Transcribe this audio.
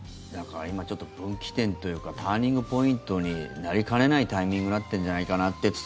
だから今ちょっと分岐点というかターニングポイントになりかねないタイミングになってるんじゃないかって。